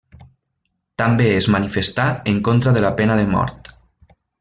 També es manifestà en contra de la pena de mort.